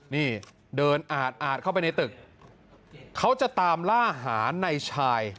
นี่เดินอาดอาดเข้าไปในตึกเขาจะตามล่าหาในชาย